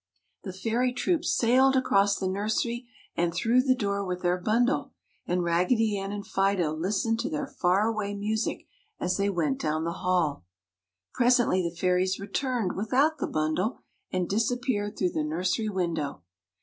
The Fairy troop sailed across the nursery and through the door with their bundle and Raggedy Ann and Fido listened to their far away music as they went down the hall. Presently the Fairies returned without the bundle and disappeared through the nursery window.